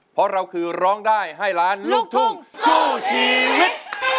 เพราะเราคือร้องได้ให้ล้านลูกทุ่งสู้ชีวิต